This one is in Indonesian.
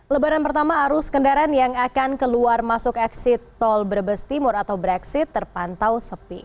lebaran pertama arus kendaraan yang akan keluar masuk exit tol brebes timur atau brexit terpantau sepi